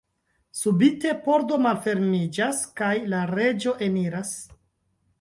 Subite pordo malfermiĝas, kaj la reĝo eniras.